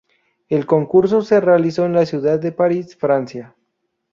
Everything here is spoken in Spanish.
El concurso se realizó en la ciudad de París, Francia.